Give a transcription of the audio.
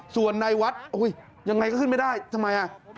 ส่วนในวัดยังไงก็ขึ้นไม่ได้ทำไมอ่ะ